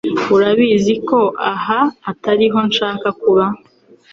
Urabizi ko aha atariho nshaka kuba